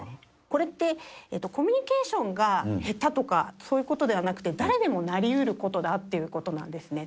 これって、コミュニケーションが下手とか、そういうことではなくて、誰でもなりうることだということなんですね。